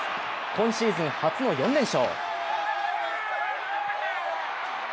今シーズン初の４連勝。